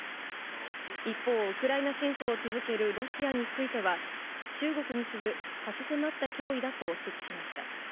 一方、ウクライナ侵攻を続けるロシアについては、中国に次ぐ差し迫った脅威だと指摘しました。